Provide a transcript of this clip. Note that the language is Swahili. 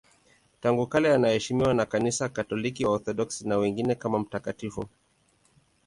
Tangu kale anaheshimiwa na Kanisa Katoliki, Waorthodoksi na wengineo kama mtakatifu.